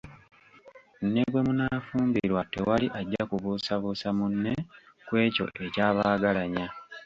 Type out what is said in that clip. Ne bwe munaafumbirwa tewali ajja kubuusabuusa munne ku ekyo ekyabaagalanya.